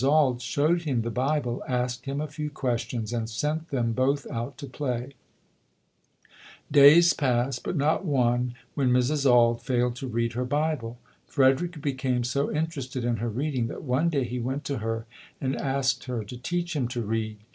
Auld showed him the Bible, asked him a few ques tions and sent them both out to play. Days passed, but not one when Mrs. Auld failed to read her Bible. Frederick became so in terested in her reading that one day he went to her and asked her to teach him to read.